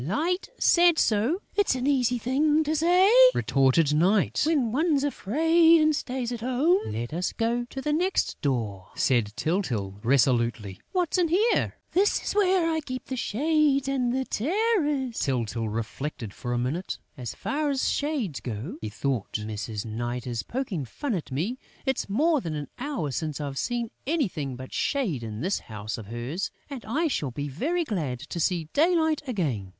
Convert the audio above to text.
"Light said so...." "It's an easy thing to say," retorted Night, "when one's afraid and stays at home!" "Let us go to the next door," said Tyltyl, resolutely. "What's in here?" "This is where I keep the Shades and the Terrors!" Tyltyl reflected for a minute: "As far as Shades go," he thought, "Mrs. Night is poking fun at me. It's more than an hour since I've seen anything but shade in this house of hers; and I shall be very glad to see daylight again.